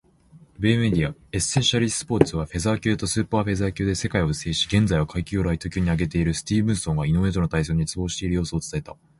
米メディア「エッセンシャリースポーツ」は、フェザー級とスーパーフェザー級で世界を制し、現在は階級をライト級に上げているスティーブンソンが井上との対戦を熱望している様子を伝えた。